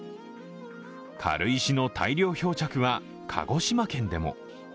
軽石の大量漂着は鹿児島県でも。